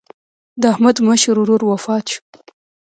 د احمد مشر ورور وفات شو.